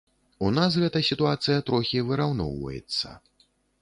У нас гэта сітуацыя трохі выраўноўваецца.